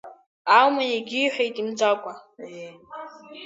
Алма егьиҳәеит имӡакәа…